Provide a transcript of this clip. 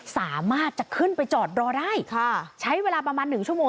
สามารถจะขึ้นไปจอดรอได้ค่ะใช้เวลาประมาณหนึ่งชั่วโมง